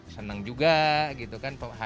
senang juga gitu kan